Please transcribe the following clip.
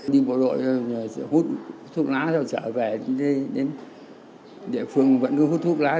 đi bộ đội hút thuốc lá rồi trở về địa phương vẫn cứ hút thuốc lá